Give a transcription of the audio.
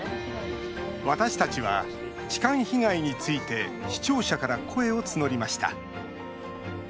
私たちは痴漢被害について視聴者から声を募りました。